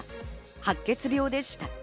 白血病でした。